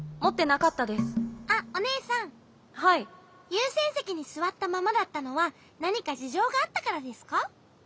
ゆうせんせきにすわったままだったのはなにかじじょうがあったからですか？